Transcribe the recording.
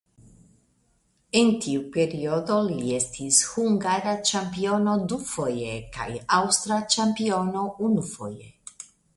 En tiu periodo li estis hungara ĉampiono dufoje kaj aŭstra ĉampiono unufoje.